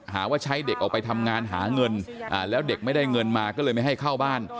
หาว่าใช้เด็กออกไปทำงานหาเงินแล้วเด็กไม่ได้เงินมาก็เลยไม่ให้เข้าบ้าน